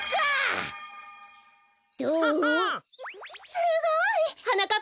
すごい！はなかっ